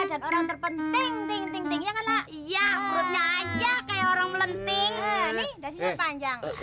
nih dah sisa panjang